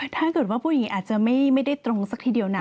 ถ้าเกิดว่าผู้หญิงอาจจะไม่ได้ตรงสักทีเดียวนะ